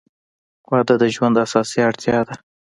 • واده د ژوند اساسي اړتیا ده.